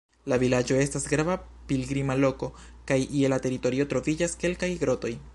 La vilaĝo estas grava pilgrima loko, kaj je la teritorio troviĝas kelkaj grotoj.